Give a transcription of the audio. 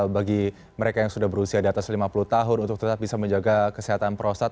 bagi mereka yang sudah berusia di atas lima puluh tahun untuk tetap bisa menjaga kesehatan prostat